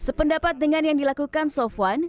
sependapat dengan yang dilakukan sofwan